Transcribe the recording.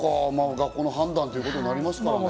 学校の判断ということになりますかね。